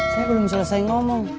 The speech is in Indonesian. saya belum selesai ngomong